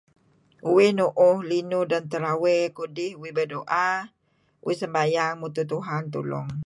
Uih nu'uh linuh dan teraey kudih, berdoa uih sembayang mutuh Tuhan tulung.